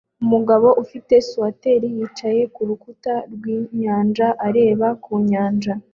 Umugore ufite swater yicaye kurukuta rwinyanja areba ku nyanja